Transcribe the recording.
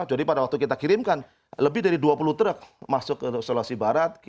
jadi pada waktu kita kirimkan lebih dari dua puluh truk masuk ke sulawesi barat